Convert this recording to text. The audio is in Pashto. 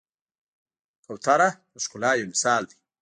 کوتره د ښکلا یو مثال دی.